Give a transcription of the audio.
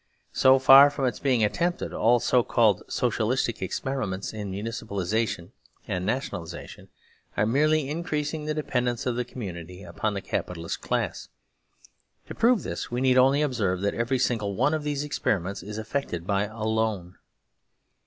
So far from its being attempted, all so called " Socialistic " experiments in municipalisation and nationalisation aremerelyincreasingthedepend ence of the community upon the Capitalist class. To prove this, we need only observe that every single one of these experiments is effected by a loan.